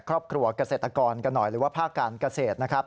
ครอบครัวกาเสร็จากรกันหน่อยหรือว่าภาคการเกษตร